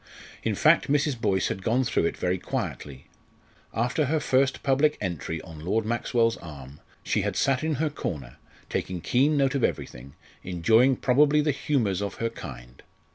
In fact, Mrs. Boyce had gone through it very quietly. After her first public entry on Lord Maxwell's arm she had sat in her corner, taking keen note of everything, enjoying probably the humours of her kind.